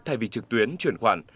thay vì trực tuyến chuyển khoản